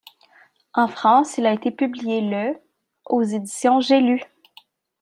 En France, il a été publié le aux éditions J'ai lu.